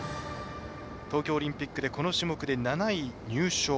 東京オリンピックでこの種目で７位入賞。